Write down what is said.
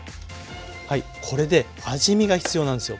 はいこれで味見が必要なんですよ。